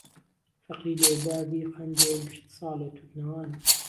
فەقی لێو بابی قەندێ گشت ساڵێ تووتنەوانە